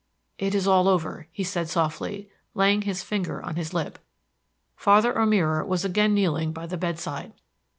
"It is all over," he said softly, laying his finger on his lip. Father O'Meara was again kneeling by the bedside.